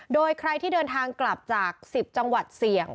โดยใครที่เดินทางกลับจาก๑๐จังหวัดเสี่ยง